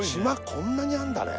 こんなにあんだね